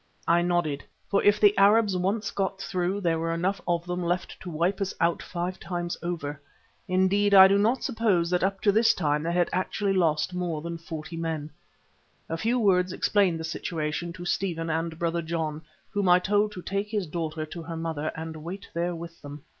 I nodded, for if the Arabs once got through, there were enough of them left to wipe us out five times over. Indeed, I do not suppose that up to this time they had actually lost more than forty men. A few words explained the situation to Stephen and Brother John, whom I told to take his daughter to her mother and wait there with them.